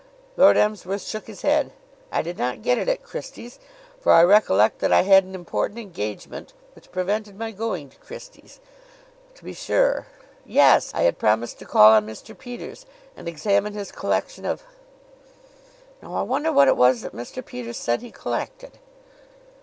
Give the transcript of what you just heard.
Lord Emsworth shook his head. "I did not get it at Christie's, for I recollect that I had an important engagement which prevented my going to Christie's. To be sure; yes I had promised to call on Mr. Peters and examine his collection of Now I wonder what it was that Mr. Peters said he collected!"